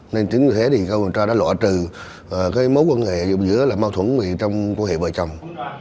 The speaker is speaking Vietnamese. nên tính thế thì các quan trọng đã lọa trừ mối quan hệ giữa là mâu thuẫn trong quan hệ vợ chồng